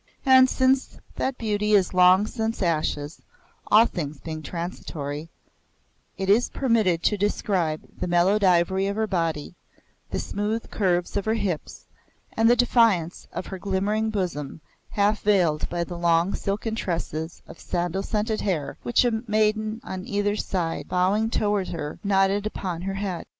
And since that beauty is long since ashes (all things being transitory), it is permitted to describe the mellowed ivory of her body, the smooth curves of her hips, and the defiance of her glimmering bosom, half veiled by the long silken tresses of sandal scented hair which a maiden on either side, bowing toward her, knotted upon her head.